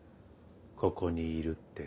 ここにいるって。